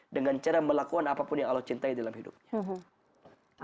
dengan cara melakukan apapun yang allah cintai dalam hidupnya